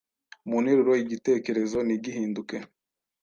mu nteruro igitekerezo ntigihinduke.